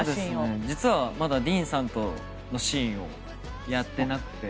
実はまだディーンさんとのシーンをまだやってなくて。